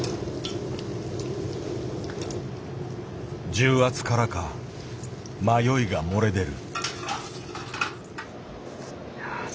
重圧からか迷いが漏れ出る。